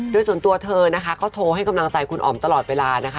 โดยส่วนตัวเธอนะคะก็โทรให้กำลังใจคุณอ๋อมตลอดเวลานะคะ